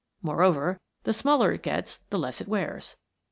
Moreover, the smaller it gets the less it wears.